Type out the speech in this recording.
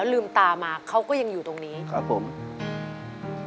เปลี่ยนเพลงเพลงเก่งของคุณและข้ามผิดได้๑คำ